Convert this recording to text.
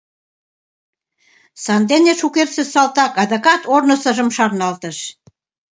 Сандене шукертсе салтак адакат ожнысыжым шарналтыш.